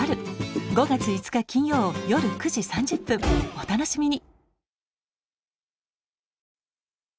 お楽しみに！